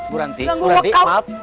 bu ranti bu ranti maaf